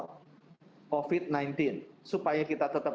covid sembilan belas supaya kita tetap